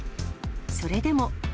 それでも。